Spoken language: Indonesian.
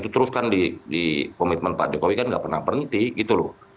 teruskan di komitmen pak jokowi kan tidak pernah berhenti gitu loh